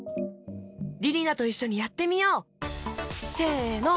りりなといっしょにやってみよう！せの！